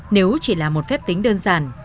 nếu chỉ là một phép tính đơn giản